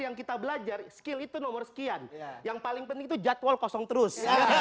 yang kita belajar skill itu nomor sekian yang paling penting itu jadwal kosong terus